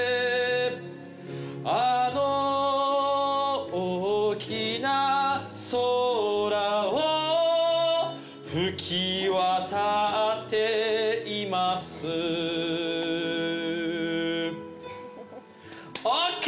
「あの大きな空を吹きわたっています」ＯＫ！